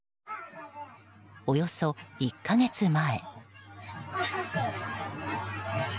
およそ１か月前。